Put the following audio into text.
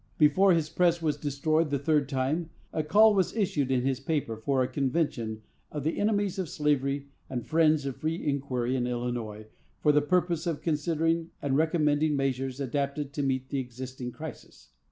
Before his press was destroyed the third time, a call was issued in his paper for a convention of the enemies of slavery and friends of free inquiry in Illinois, for the purpose of considering and recommending measures adapted to meet the existing crisis.